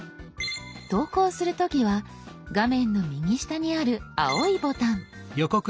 投稿する時は画面の右下にある青いボタン。